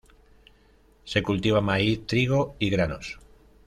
Se cultiva maíz, trigo y granos.